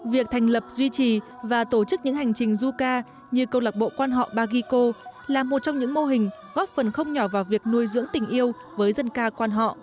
việc thành lập duy trì và tổ chức những hành trình du ca như câu lạc bộ quan họ baguico là một trong những mô hình góp phần không nhỏ vào việc nuôi dưỡng tình yêu với dân ca quan họ